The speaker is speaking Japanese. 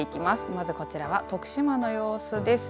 まずこちらは徳島の様子です。